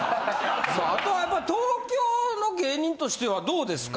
さあ後はやっぱり東京の芸人としてはどうですか？